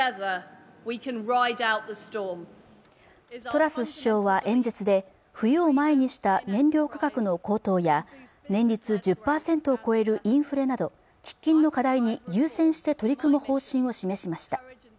トラス首相は演説で冬を前にした燃料価格の高騰や年率１０％を超えるインフレなど喫緊の課題に優先して取り組む方針を示しました